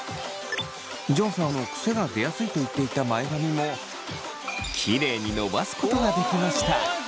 ジョンさんのくせが出やすいと言っていた前髪もキレイに伸ばすことができました。